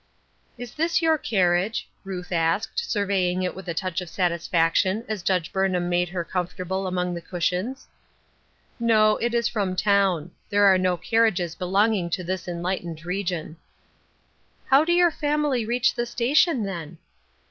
" Is this your carriage ?" Ruth asked, survey ing it with a touch of satisfaction as Judge Burnham made her comfortable among the cush ions. " No, it is from town. There are no carriages belonging to this enlightened region." " How do your family reach the station, then?''